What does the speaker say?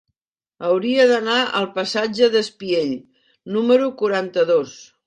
Hauria d'anar al passatge d'Espiell número quaranta-dos.